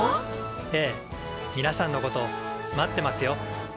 ええみなさんのこと待ってますよ。